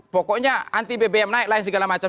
pokoknya anti bbm naik lain segala macam